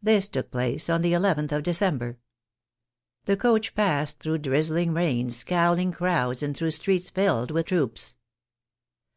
This took place on the nth of December. The coach passed through drizzling rain, scowling crowds, and through streets filled with troops.